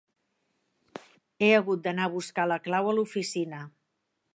He hagut d'anar a buscar la clau a l'oficina.